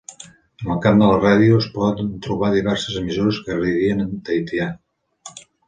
En el camp de la ràdio, es poden trobar diverses emissores que radien en tahitià.